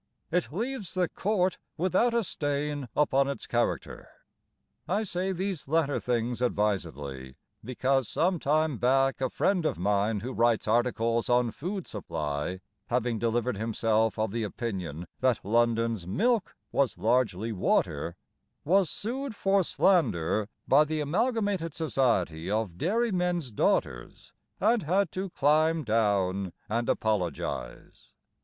It leaves the court without a stain upon its character. I say these latter things advisedly, Because some time back A friend of mine who writes articles on food supply Having delivered himself of the opinion That London's milk was largely water, Was sued for slander By the Amalgamated Society of Dairymen's Daughters, And had to climb down and apologise.